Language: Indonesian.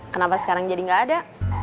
kenapa sekarang jadi nggak ada